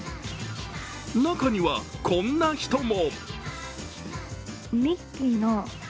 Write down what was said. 中にはこんな人も。